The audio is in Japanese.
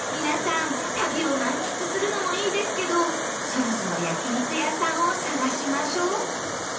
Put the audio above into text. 皆さん旅を満喫するのもいいですけどそろそろ焼肉屋さんを探しましょう